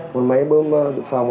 một máy bơm dự phòng